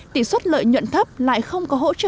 tỷ suất lợi nhuận thấp lại không có hỗ trợ